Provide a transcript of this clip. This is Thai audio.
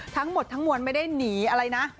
ทั้งหมดทั้งมวลไม่ได้หนีอะไรนะ